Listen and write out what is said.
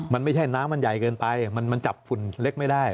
มันไม่ใช่น้ำมันใหญ่เกินไปมันจับฝุ่นเล็กไม่ได้